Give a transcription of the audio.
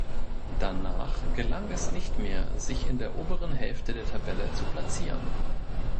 Danach gelang es nicht mehr sich in der oberen Hälfte der Tabelle zu platzieren.